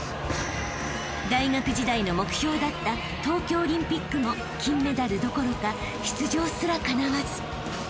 ［大学時代の目標だった東京オリンピックも金メダルどころか出場すらかなわず］